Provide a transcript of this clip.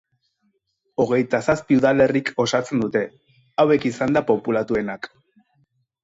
Hogeita zazpi udalerrik osatzen dute, hauek izanda populatuenak.